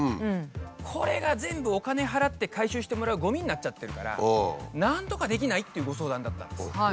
これが全部お金払って回収してもらうごみになっちゃってるからなんとかできない？っていうご相談だったんですよ。